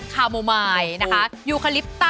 ผลิตจากอร์แกนิกและน้ำมะพร้าวบริสุทธิ์